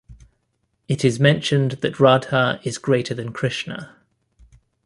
It is mentioned that Radha is greater than Krishna.